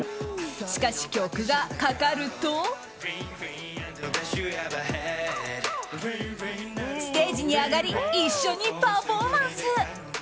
しかし、曲がかかるとステージに上がり一緒にパフォーマンス。